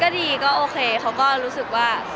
ก็ดีก็โอเคเขาก็รู้สึกว่า